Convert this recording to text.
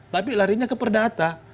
tapi larinya ke perdata